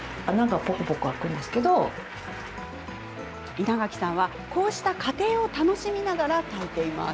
稲垣さんは、こうした過程を楽しみながら炊いています。